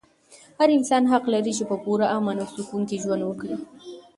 هر انسان حق لري چې په پوره امن او سکون کې ژوند وکړي.